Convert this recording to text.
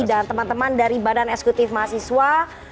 dan teman teman dari badan eksekutif mahasiswa